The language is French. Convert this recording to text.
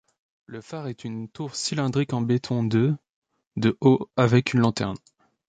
Le phare est une tour cylindrique en béton de de haut, avec une lanterne.